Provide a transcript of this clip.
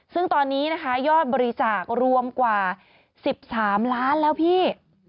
ซึ่งตอนนี้นะคะยอดบริจาครวมกว่า๑๓ล้านแล้วพี่